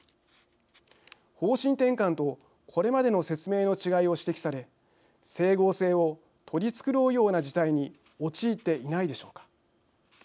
方針転換とこれまでの説明の違いを指摘され整合性を取り繕うような事態に陥っていないでしょうか。